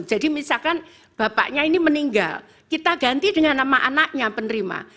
jadi misalkan bapaknya ini meninggal kita ganti dengan nama anaknya penerima